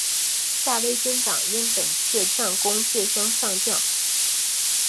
夏威军长因本次战功晋升上将。